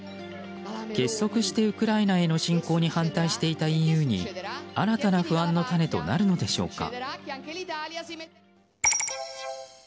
結束してウクライナへの侵攻に反対していたＥＵに新たな不安の種となるのでしょうか。